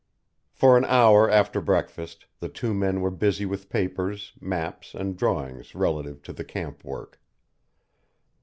For an hour after breakfast the two men were busy with papers, maps and drawings relative to the camp work.